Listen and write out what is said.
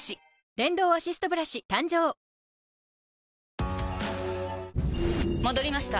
電動アシストブラシ誕生戻りました。